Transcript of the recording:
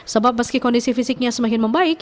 sebab meski kondisi fisiknya semakin membaik